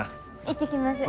行ってきます。